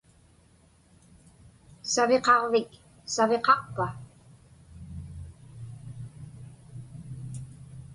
Saviqaġvik saviqaqpa?